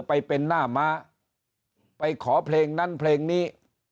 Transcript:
ไปเป็นหน้าม้าไปขอเพลงนั้นเพลงนี้